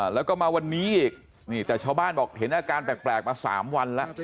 แล้วก็มาวันนี้อีกนี่แต่ชาวบ้านบอกเห็นอาการแปลกมา๓วันแล้ว